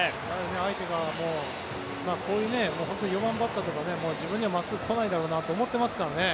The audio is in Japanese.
相手がこういう４番バッターとか自分には真っすぐ、来ないだろうなと思ってますからね。